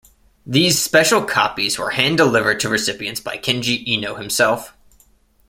These special copies were hand-delivered to recipients by Kenji Eno himself.